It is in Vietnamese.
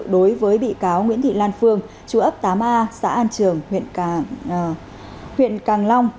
đối với bị cáo nguyễn thị lan phương chú ấp tám a xã an trường huyện càng long